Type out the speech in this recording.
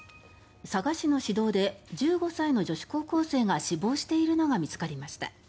佐賀市の市道で１５歳の女子高校生が死亡しているのが見つかりました。